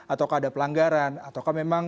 atau ada pelanggaran